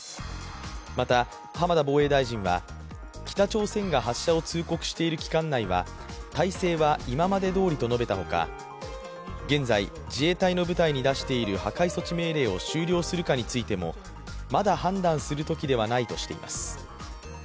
また、浜田防衛大臣は北朝鮮が発射を通告している期間内は、体制は今までどおりと述べたほか現在、自衛隊の部隊に出している破壊措置命令を終了するかについても、まだ判断するときではないとしています。